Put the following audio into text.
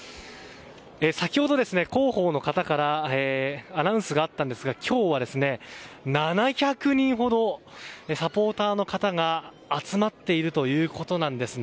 先ほど、広報の方からアナウンスがあったんですが今日は７００人ほどサポーターの方が集まっているということなんです。